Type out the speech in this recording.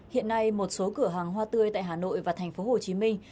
hiện nay một số cửa hàng hoa tươi tại hà nội và thành phố hồ chí minh